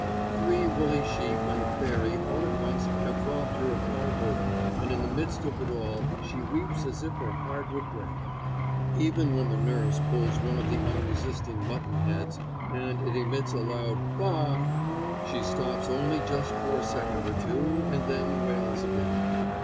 Three woolly sheep and a fairy all at once have robbed her of all hope, and in the midst of it all she weeps as if her heart would break. Even when the nurse pulls one of the unresisting mutton heads, and it emits a loud "Baa a," she stops only just for a second or two and then wails again.